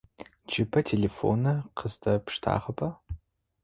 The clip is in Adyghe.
Джыбэ телефоныр къыздэпштагъэба?